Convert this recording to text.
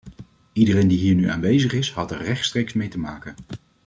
Iedereen die hier nu aanwezig is, had er rechtstreeks mee te maken.